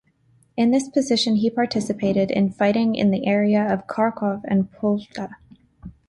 In this position he participated in fighting in the area of Kharkov and Poltava.